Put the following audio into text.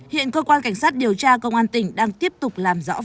hiện cơ quan cảnh sát điều tra công an tỉnh đang tiếp tục làm rõ vụ việc